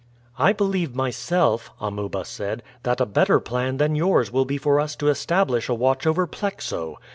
"I believe myself," Amuba said, "that a better plan than yours will be for us to establish a watch over Plexo.